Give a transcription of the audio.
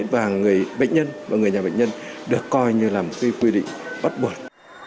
và người bệnh nhân và người nhà bệnh nhân được coi như là một cái quy định bắt buộc